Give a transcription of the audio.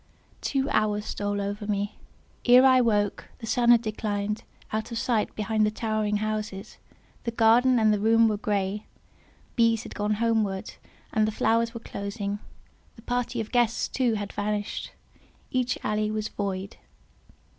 Two hours stole over me. Ere I woke, the sun had declined out of sight behind the towering houses, the garden and the room were grey, bees had gone homeward, and the flowers were closing; the party of guests, too, had vanished; each alley was void.